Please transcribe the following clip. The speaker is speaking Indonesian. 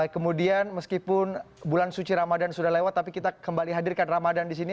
kemudian meskipun bulan suci ramadan sudah lewat tapi kita kembali hadirkan ramadan di sini